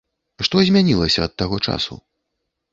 Што змянілася ад таго часу?